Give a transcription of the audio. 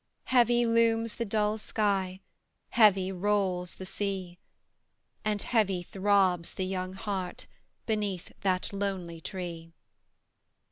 Heavy looms the dull sky, Heavy rolls the sea; And heavy throbs the young heart Beneath that lonely tree.